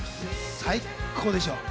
最高でしょ？